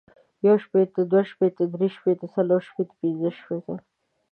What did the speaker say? يو شپيته ، دوه شپيته ،دري شپیته ، څلور شپيته ، پنځه شپيته،